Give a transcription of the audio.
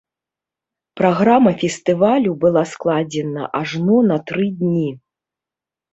Праграма фестывалю была складзена ажно на тры дні.